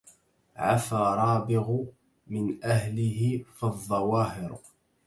عفا رابغ من أهله فالظواهر